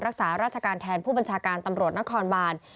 รักษาราชการแทนผู้บัญชาการตำรวจนครบาน